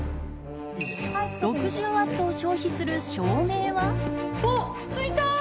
６０ワットを消費する照明はついた！